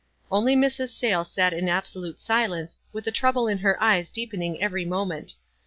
Only Mrs. Sayies sat in absolute silence, with the trouble in her eyes deepening every moment.